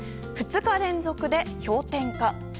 ２日連続で氷点下。